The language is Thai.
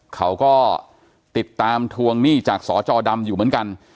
เขาก็ติดตามทวงหนี้จากสจดำอยู่เหมือนกัน